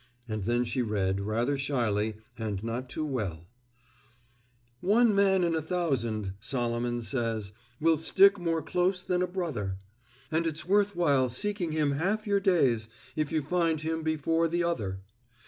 And then she read, rather shyly and not too well: "'One man in a thousand, Solomon says, Will stick more close than a brother. And it's worth while seeking him half your days If you find him before the other.